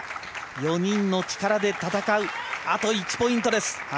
４人の力で戦うあと１ポイントです。